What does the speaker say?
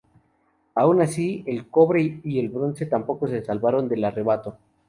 Aun así, el cobre y el bronce tampoco se salvaron del arrebato.